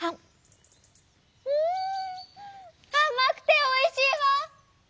「うんあまくておいしいわ！」。